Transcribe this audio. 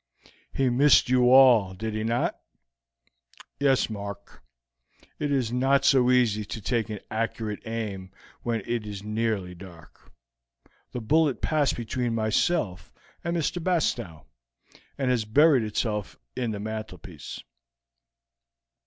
He missed you all, did he not?" "Yes, Mark. It is not so easy to take an accurate aim when it is nearly dark. The bullet passed between myself and Mr. Bastow, and has buried itself in the mantelpiece."